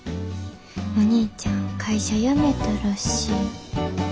「お兄ちゃん会社辞めたらしい」。